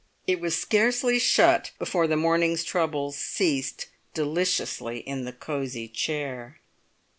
It was scarcely shut before the morning's troubles ceased deliciously in the cosy chair.